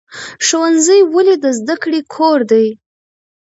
ښوونځی ولې د زده کړې کور دی؟